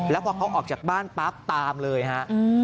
แล้วพอเขาออกจากบ้านปั๊บตามเลยฮะ